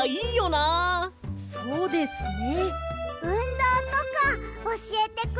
まあそうですね。